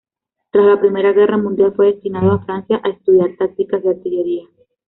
Tras la Primera Guerra Mundial fue destinado a Francia a estudiar tácticas de artillería.